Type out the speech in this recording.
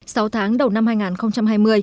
sáu tháng đầu năm hai nghìn hai mươi